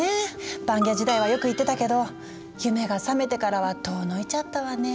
バンギャ時代はよく行ってたけど夢がさめてからは遠のいちゃったわね。